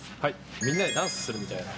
みんなでダンスするみたいな。